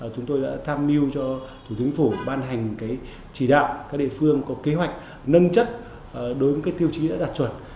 chúng tôi đã tham mưu cho thủ tướng phủ ban hành chỉ đạo các địa phương có kế hoạch nâng chất đối với tiêu chí đã đạt chuẩn